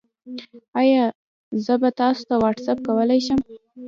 ایا زه تاسو ته واټساپ کولی شم؟